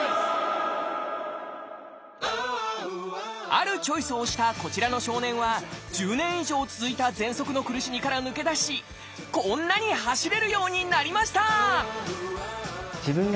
あるチョイスをしたこちらの少年は１０年以上続いたぜんそくの苦しみから抜け出しこんなに走れるようになりました！